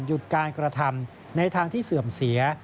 หยุดการกระทำในทางที่เสื่อมเสีย